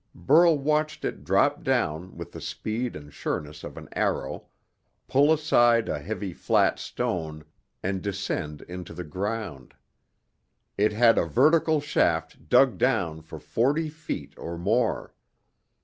Burl watched it drop down with the speed and sureness of an arrow, pull aside a heavy, flat stone, and descend into the ground. It had a vertical shaft dug down for forty feet or more.